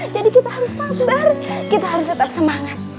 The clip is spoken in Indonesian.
jadi kita harus sabar kita harus tetap semangat